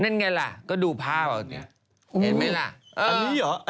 นั่นไงล่ะก็ดูภาพเหมือนเนี้ยเห็นมั้ยล่ะ